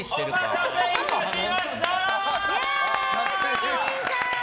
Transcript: お待たせいたしましたー！